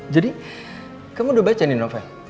jadi kamu udah baca nih novel